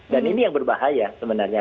dan ini yang berbahaya sebenarnya